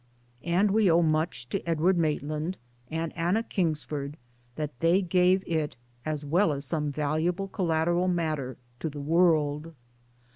And we owe much to Edward Maitland and Anna Kings ford that they; gave it, as well as some valuable collateral matter, to the world.